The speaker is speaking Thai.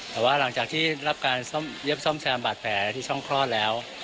แต่ว่าหลังจากที่รับการเย็บซ่อมแซมบาดแผลที่ช่องคลอดแล้ว